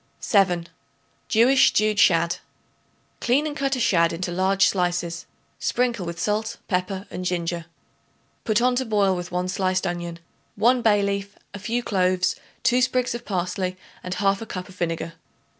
7. Jewish Stewed Shad. Clean and cut a shad into large slices; sprinkle with salt, pepper and ginger. Put on to boil with 1 sliced onion, 1 bay leaf, a few cloves, 2 sprigs of parsley and 1/2 cup of vinegar.